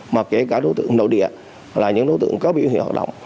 mà kể cả đối tượng nội địa là những đối tượng có biểu hiện hoạt động